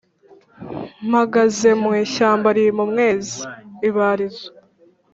Mpagaze mu ishyamba rimpa umwezi :Ibarizo